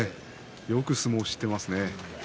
よく相撲を知っていますね。